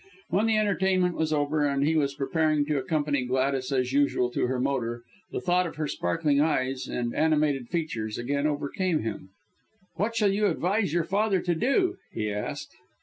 When the entertainment was over, and he was preparing to accompany Gladys as usual to her motor, the thought of her sparkling eyes and animated features again overcame him. "What shall you advise your father to do?" he asked.